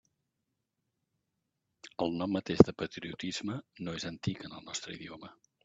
El nom mateix de patriotisme no és antic en el nostre idioma.